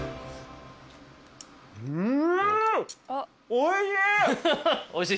うん！